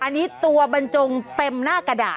อันนี้ตัวบรรจงเต็มหน้ากระดาษ